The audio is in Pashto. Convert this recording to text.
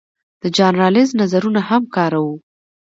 د جان رالز نظرونه هم کاروو.